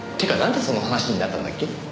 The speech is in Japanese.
んでその話になったんだっけ？